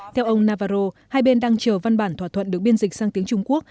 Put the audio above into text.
theo ông navarro hai bên đang chờ văn bản thỏa thuận được biên dịch sang tiếng trung quốc